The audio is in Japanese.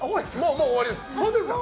もう終わりです。